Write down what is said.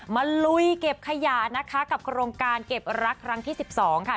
ลุยเก็บขยะนะคะกับโครงการเก็บรักครั้งที่๑๒ค่ะ